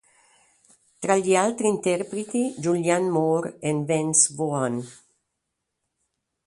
Tra gli altri interpreti Julianne Moore e Vince Vaughn.